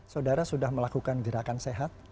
saudara sudah melakukan gerakan sehat